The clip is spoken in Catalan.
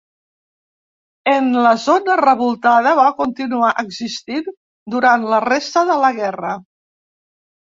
En la zona revoltada va continuar existint durant la resta de la guerra.